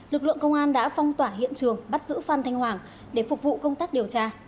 lực lượng công an đã phong tỏa hiện trường bắt giữ phan thanh hoàng để phục vụ công tác điều tra